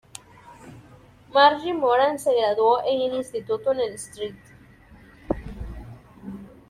Margie Moran se graduó en el instituto en el St.